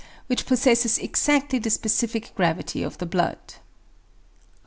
_ which possesses exactly the specific gravity of the blood.